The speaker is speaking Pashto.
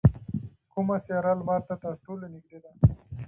کومه سیاره لمر ته تر ټولو نږدې ده؟